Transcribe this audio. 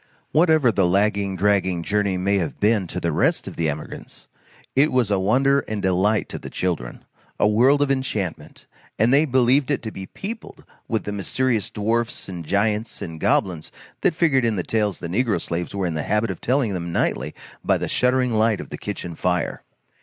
Whatever the lagging dragging journey may have been to the rest of the emigrants, it was a wonder and delight to the children, a world of enchantment; and they believed it to be peopled with the mysterious dwarfs and giants and goblins that figured in the tales the negro slaves were in the habit of telling them nightly by the shuddering light of the kitchen fire.